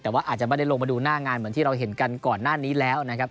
แต่ว่าอาจจะไม่ได้ลงมาดูหน้างานเหมือนที่เราเห็นกันก่อนหน้านี้แล้วนะครับ